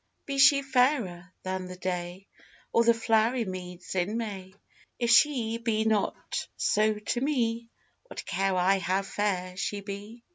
Be she fairer than the day, Or the flowery meads in May, If she be not so to me, What care I how fair she be?